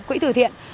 quỹ tự thiện